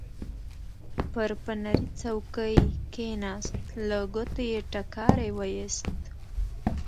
پر فنري څوکۍ کېناست، له ګوتو یې ټکاری وایست.